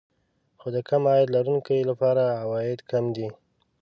خو د کم عاید لرونکو لپاره عواید کم دي